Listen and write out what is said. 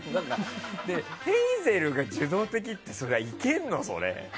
ヘイゼルが受動的ってそれ、いけるの？